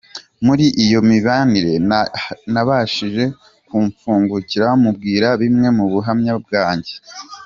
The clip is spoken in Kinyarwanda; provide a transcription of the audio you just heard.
Muri iyo mibanire, nabashije kumufungukira mubwira bimwe mu buhamya bwanjye.